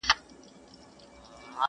په هغه دم به مي تا ته وي راوړی.!